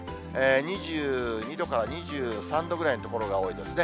２２度から２３度ぐらいの所が多いですね。